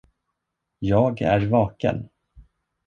Jag är vaken.